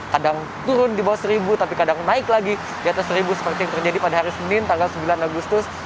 kadang turun di bawah seribu tapi kadang naik lagi di atas seribu seperti yang terjadi pada hari senin tanggal sembilan agustus